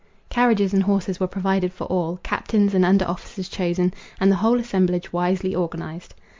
Carriages and horses were provided for all; captains and under officers chosen, and the whole assemblage wisely organized.